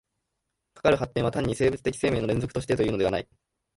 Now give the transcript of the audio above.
かかる発展は単に生物的生命の連続としてというのではない。